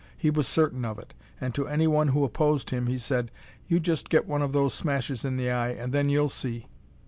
He was certain of it, and to any one who opposed him he said, "You just get one of those smashes in the eye, and then you'll see."